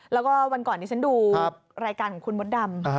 แล้วก็วันก่อนนี้ฉันดูรายการของคุณมดดำ